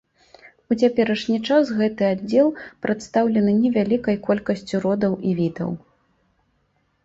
У цяперашні час гэты аддзел прадстаўлены невялікай колькасцю родаў і відаў.